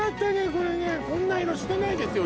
これねこんな色してないですよ